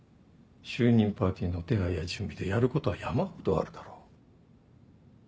就任パーティーの手配や準備でやることは山ほどあるだろう。